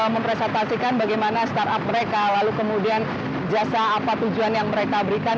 mempresentasikan bagaimana startup mereka lalu kemudian jasa apa tujuan yang mereka berikan